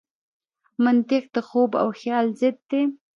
منطق د خوب او خیال ضد دی.